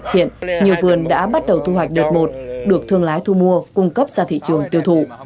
hiện nhiều vườn đã bắt đầu thu hoạch đợt một được thương lái thu mua cung cấp ra thị trường tiêu thụ